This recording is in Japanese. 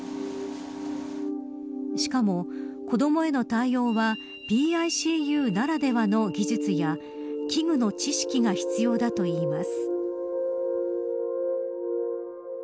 しかも、子どもへの対応はＰＩＣＵならではの技術や器具の知識が必要だといいます。